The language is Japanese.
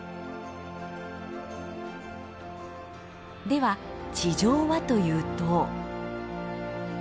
では地上はというと。